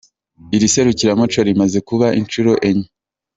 Iri serukiramuco rimaze kuba inshuro enye.